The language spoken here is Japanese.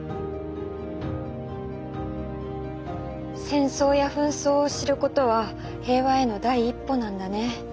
戦争や紛争を知ることは平和への第一歩なんだね。